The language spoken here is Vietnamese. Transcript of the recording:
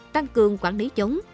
tăng cường quản lý chống